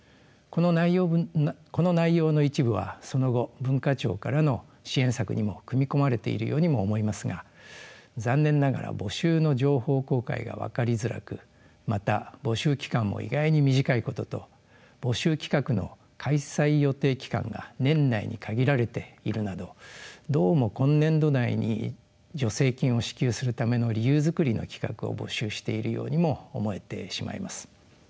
この内容の一部はその後文化庁からの支援策にも組み込まれているようにも思いますが残念ながら募集の情報公開が分かりづらくまた募集期間も意外に短いことと募集企画の開催予定期間が年内に限られているなどどうも今年度内に助成金を支給するための理由作りの企画を募集しているようにも思えてしまいます。